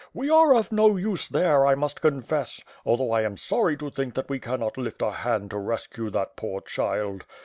We are of no use there, I must confess, although I am sorry to think that we cannot lift a hand to rescue that poor child.